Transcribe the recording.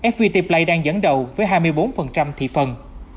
fpt play đang dẫn đầu với hai mươi bốn thị phần